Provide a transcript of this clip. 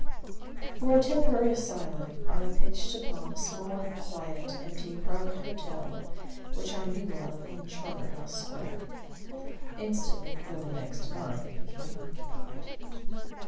For a temporary asylum I pitched upon a small, quiet, empty, private hotel which I knew of in Charterhouse Square. Instantly the room next mine became occupied.